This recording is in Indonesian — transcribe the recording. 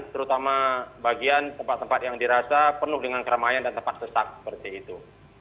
terutama bagian tempat tempat yang dirasa penuh dengan keramaian dan tempat sesak seperti itu